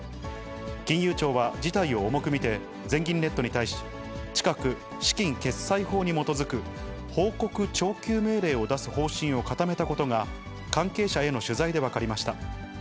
金融庁は事態を重く見て、全銀ネットに対し、近く、資金決済法に基づく報告徴求命令を出す方針を固めたことが、関係者への取材で分かりました。